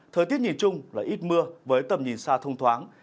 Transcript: thời tiết nhìn chung là ít mưa với tầm nhìn xa thông thoáng